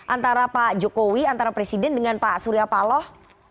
antara pak jokowi antara presiden dengan pak surya paloh